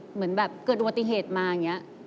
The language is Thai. เหมือนแบบเกิดอุบัติเหตุมาอย่างนี้